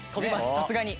さすがに。